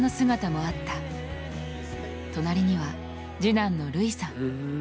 隣には次男の琉偉さん。